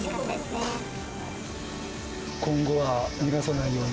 今後は逃がさないように。